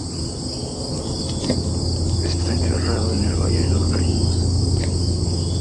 Está enterrado en el Valle de los Caídos.